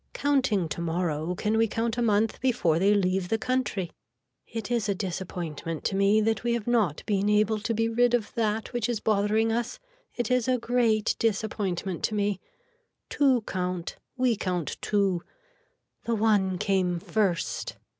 Counting tomorrow can we count a month before they leave the country. It is a disappointment to me that we have not been able to be rid of that which is bothering us. It is a great disappointment to me. Two count, we count two. The one came first.